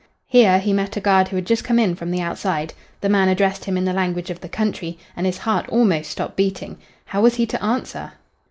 Here he met a guard who had just come in from the outside. The man addressed him in the language of the country, and his heart almost stopped beating. How was he to answer?